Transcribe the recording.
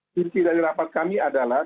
kunci dari rapat kami adalah